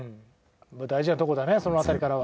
大事なとこだねその辺りからは。